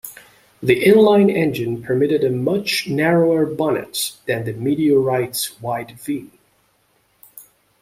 The inline engine permitted a much narrower bonnet than the Meteorite's wide vee.